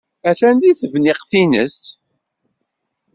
Atan deg tebniqt-nnes.